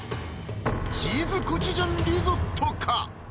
チーズコチュジャンリゾットか？